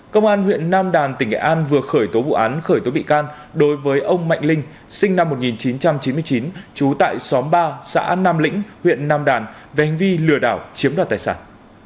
công an huyện nam đàn tỉnh nghệ an vừa khởi tố vụ án khởi tố bị can đối với ông mạnh linh sinh năm một nghìn chín trăm chín mươi chín trú tại xóm ba xã nam lĩnh huyện nam đàn về hành vi lừa đảo chiếm đoạt tài sản